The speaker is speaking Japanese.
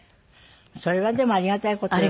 それはでもありがたい事よね。